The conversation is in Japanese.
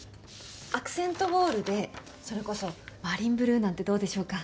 アクセントウォールでそれこそマリンブルーなんてどうでしょうか？